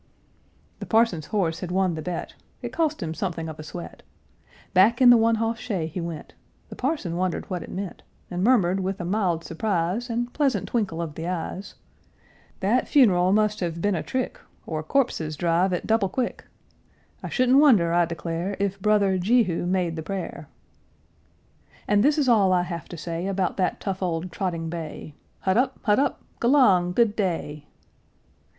The parson's horse had won the bet; It cost him something of a sweat; Back in the one hoss shay he went; The parson wondered what it meant, And murmured, with a mild surprise And pleasant twinkle of the eyes, "That funeral must have been a trick, Or corpses drive at double quick; I shouldn't wonder, I declare, If brother Jehu made the prayer!" And this is all I have to say About that tough old trotting bay. Huddup! Huddup! G'lang! Good day!